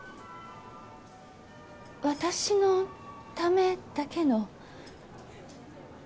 私のためだけの。